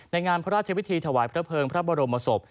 งานพระราชวิธีถวายพระเภิงพระบรมศพ